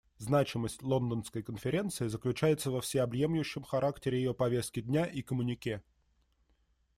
Значимость Лондонской конференции заключается во всеобъемлющем характере ее повестки дня и коммюнике.